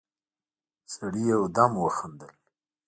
سړي يودم وخندل: